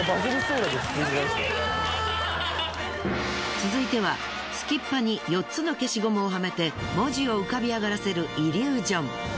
続いてはすきっ歯に４つの消しゴムをはめて文字を浮かび上がらせるイリュージョン。